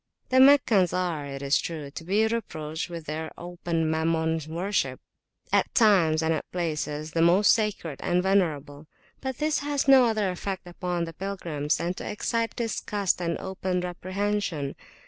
The Meccans are, it is true, to be reproached with their open Mammon worship, at times and at places the most sacred and venerable; but this has no other effect upon the pilgrims than to excite disgust and open reprehension.